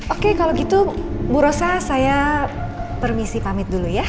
oke kalau gitu bu rosa saya permisi pamit dulu ya